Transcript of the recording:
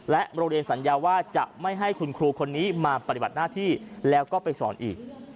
โรงเรียนสัญญาว่าจะไม่ให้คุณครูคนนี้มาปฏิบัติหน้าที่แล้วก็ไปสอนอีก